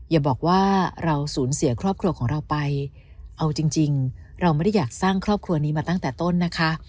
อย่าบอกว่าเราสูญเสียครอบครัวของเราไปเอาจริงเราไม่ได้อยากสร้างครอบครัวนี้มาตั้งแต่ต้นนะคะ